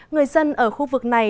người dân ở khu vực này